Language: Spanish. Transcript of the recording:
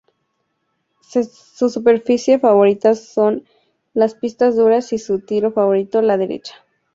Su superficie favorita son las pistas duras y su tiro favorito la derecha.